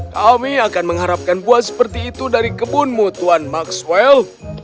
kami akan mengharapkan buah seperti itu dari kebunmu tuan maxwell